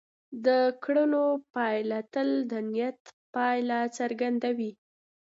د کړنو پایله تل د نیت پایله څرګندوي.